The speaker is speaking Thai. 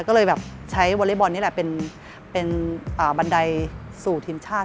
ก็เลยแบบใช้วอเล็กบอลนี่แหละเป็นบันไดสู่ทีมชาติ